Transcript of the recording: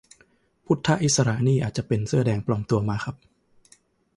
พุทธอิสระนี่อาจจะเป็นเสื้อแดงปลอมตัวมาครับ